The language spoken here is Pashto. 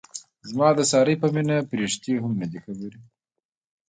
زما او د سارې په مینه پریښتې هم نه دي خبرې.